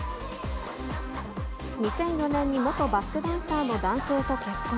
２００４年に元バックダンサーの男性と結婚。